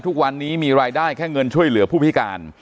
ทุกวันนี้มีรายได้แค่เงินช่วยเหลือผู้พิการ